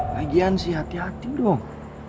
lagian sih hati hati dong